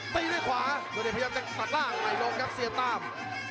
ตีด้วยขวาโดเดชน์พยังมาจากฝากด้วยให้ตาก